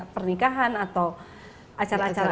pernikahan atau acara acara